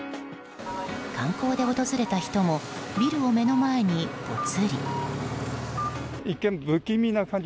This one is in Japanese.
観光で訪れた人もビルを目の前に、ぽつり。